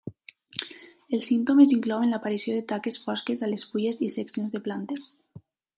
Els símptomes inclouen l'aparició de taques fosques a les fulles i seccions de plantes.